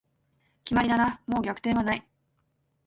決まりだな、もう逆転はない